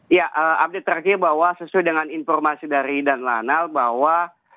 ya update terakhir bahwa sesuai dengan informasi dari dan lanal bahwa